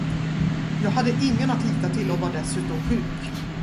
Jag hade ingen att lita till och var dessutom sjuk.